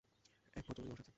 এক ভদ্রমহিলা বসা আছেন।